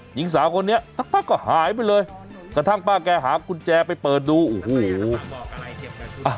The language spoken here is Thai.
หญิงสาวคนนี้ก็หายไปเลยกระทั่งป้าแกหากุญแจไปเปิดดูโอ้โห